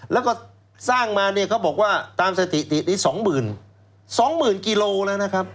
และสร้างมาประมาณสองหมื่นกิโลนะครับ